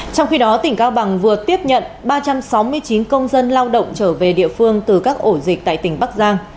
trong khi đó tỉnh cao bằng vừa tiếp nhận ba trăm sáu mươi chín công dân lao động trở về địa phương từ các ổ dịch tại tỉnh bắc giang